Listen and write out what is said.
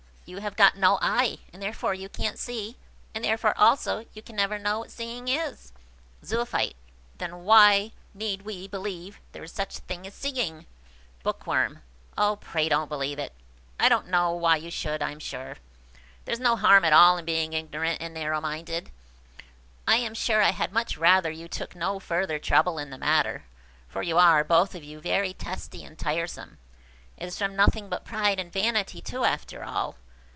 You have got no eye, and therefore you can't see, and therefore also you can never know what seeing is." Zoophyte. "Then why need we believe there is such a thing as seeing?" Bookworm. "Oh, pray, don't believe it! I don't know why you should, I am sure! There's no harm at all in being ignorant and narrow minded. I am sure I had much rather you took no further trouble in the matter; for you are, both of you, very testy and tiresome. It is from nothing but pride and vanity, too, after all.